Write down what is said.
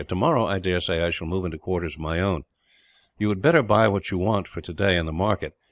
Tomorrow I daresay I shall move into quarters of my own. "You had better buy what you want, for today, in the market.